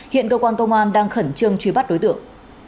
hiện cơ quan công an đang khẩn trương truy bắt đối tượng